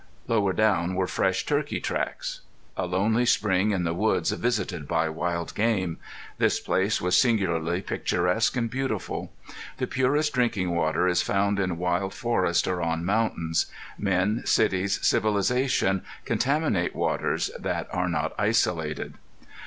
Lower down were fresh turkey tracks. A lonely spring in the woods visited by wild game! This place was singularly picturesque and beautiful. The purest drinking water is found in wild forest or on mountains. Men, cities, civilization contaminate waters that are not isolated.